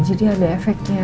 jadi ada efeknya